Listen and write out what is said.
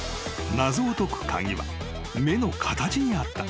［謎を解く鍵は目の形にあった］